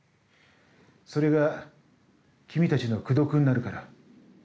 それが君たちの功徳になるから。